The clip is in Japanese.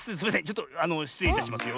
ちょっとあのしつれいいたしますよ。